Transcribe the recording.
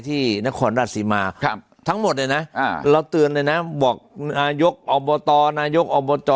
ที่นครรัฐศิมาครับทั้งหมดเลยนะเราเตือนเลยนะบอกนายกอบต